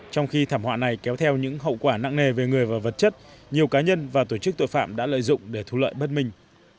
trong khi thảm họa này kéo theo những hậu quả nặng nề về người và vật chất nhiều cá nhân và tổ chức tội phạm đã lợi dụng để thu lợi bất minh